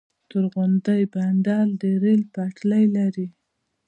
تورغونډۍ بندر د ریل پټلۍ لري؟